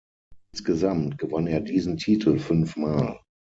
Insgesamt gewann er diesen Titel fünfmal.